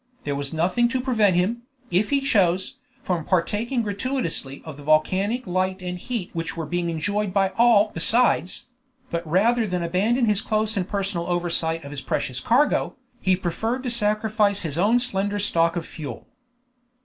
There was nothing to prevent him, if he chose, from partaking gratuitously of the volcanic light and heat which were being enjoyed by all besides; but rather than abandon his close and personal oversight of his precious cargo, he preferred to sacrifice his own slender stock of fuel.